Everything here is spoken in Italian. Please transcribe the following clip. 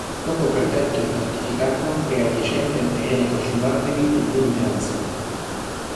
Poco protetto e fortificato, era adiacente a terreni coltivabili e vie di transito.